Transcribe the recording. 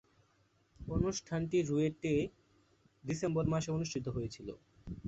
অনুষ্ঠানটি রুয়েটে ডিসেম্বর মাসে অনুষ্ঠিত হয়েছিলো।